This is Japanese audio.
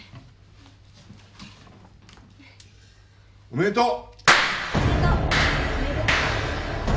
おめでとう。